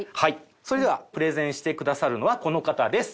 それではプレゼンしてくださるのはこの方です。